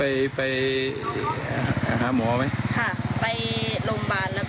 ไปโรงพยาบาลแล้วก็ไปแจ้งความ